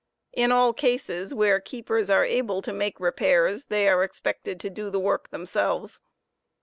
In all cases where keepers, are able to make repairs they are expected to do the work themselves.